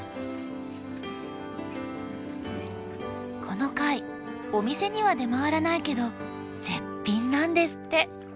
この貝お店には出回らないけど絶品なんですって。